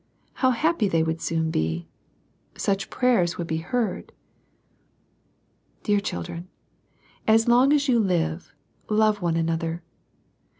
How happy they would soon be ! Such prayers would be heard. Dear children, as long as you live, love one another.